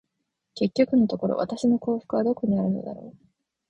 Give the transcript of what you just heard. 結局のところ、私の幸福はどこにあるのだろう。